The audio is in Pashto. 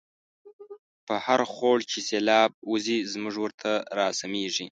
په هرخوړ چی سیلاب وزی، زمونږ وره ته را سمیږی